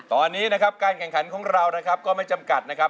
ตอนนี้นะครับการแข่งขันของเรานะครับก็ไม่จำกัดนะครับ